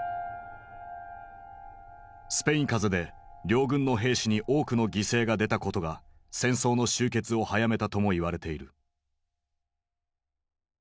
スペイン風邪で両軍の兵士に多くの犠牲が出たことが戦争の終結を早めたとも言われている。